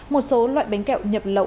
một số loại bánh kẹo nhập lậu